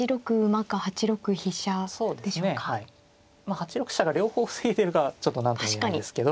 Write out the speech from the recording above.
８六飛車が両方防いでるかはちょっと何とも言えないですけど。